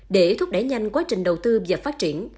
để thúc đẩy nhanh quá trình đầu tư và phát triển